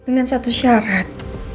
dengan satu syarat